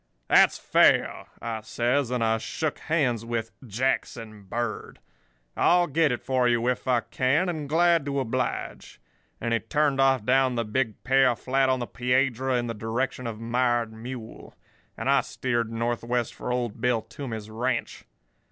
"'That's fair,' I says, and I shook hands with Jackson Bird. 'I'll get it for you if I can, and glad to oblige.' And he turned off down the big pear flat on the Piedra, in the direction of Mired Mule; and I steered northwest for old Bill Toomey's ranch.